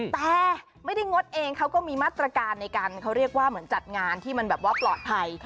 แต่ไม่ได้งดเองเขาก็มีมาตรการในการเขาเรียกว่าเหมือนจัดงานที่มันแบบว่าปลอดภัย